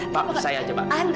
pak saya aja pak